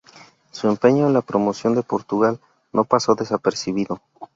Su empeño en la promoción de Portugal no pasó desapercibido.